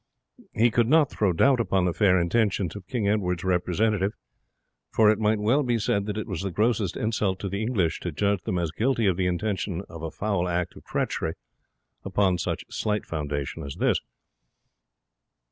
He could not throw doubt upon the fair intentions of King Edward's representative, for it might well be said that it was the grossest insult to the English to judge them as guilty of the intention of a foul act of treachery upon such slight foundation as this.